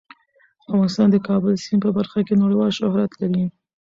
افغانستان د کابل سیند په برخه کې نړیوال شهرت لري.